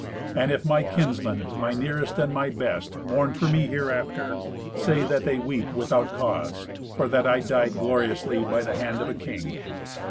And if my kinsmen, my nearest and my best, mourn for me hereafter, say that they weep without cause, for that I died gloriously by the hand of a king.